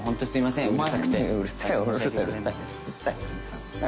すいません。